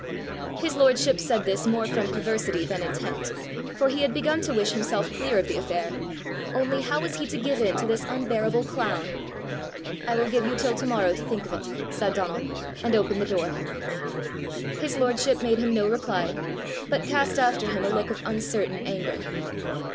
His lordship said this more from perversity than intent, for he had begun to wish himself clear of the affair only how was he to give in to this unbearable clown! "I will give you till to morrow to think of it," said Donal, and opened the door. His lordship made him no reply, but cast after him a look of uncertain anger.